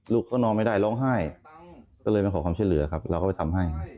ลูกก็นอนไม่ได้ร้องไห้ก็เลยมาขอความช่วยเหลือครับเราก็ไปทำให้